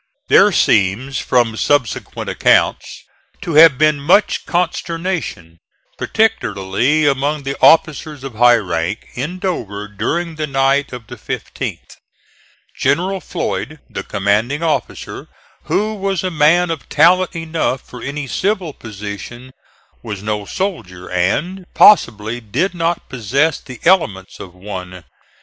There seems from subsequent accounts to have been much consternation, particularly among the officers of high rank, in Dover during the night of the 15th. General Floyd, the commanding officer, who was a man of talent enough for any civil position, was no soldier and, possibly, did not possess the elements of one.